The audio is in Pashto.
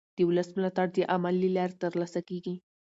د ولس ملاتړ د عمل له لارې ترلاسه کېږي